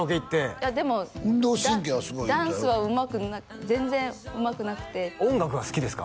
いやでもダンスは全然うまくなくて音楽は好きですか？